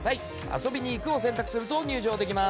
遊びに行くを選択すると入場できます。